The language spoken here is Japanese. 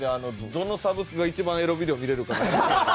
どのサブスクが一番エロビデオ見れるかなとか。